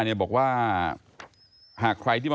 โหเพราะว่าเจอกันบ่อยนะ